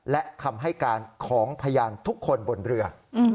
และคำให้การของพยานทุกคนบนเรือ